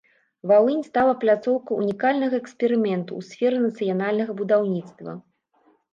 Валынь стала пляцоўкай унікальнага эксперыменту ў сферы нацыянальнага будаўніцтва.